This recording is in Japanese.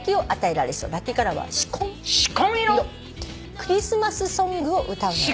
「クリスマスソングを歌うなら」